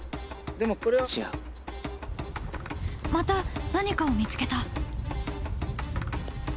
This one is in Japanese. また何かを見つけた。